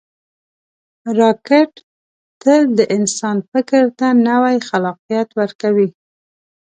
راکټ تل د انسان فکر ته نوی خلاقیت ورکوي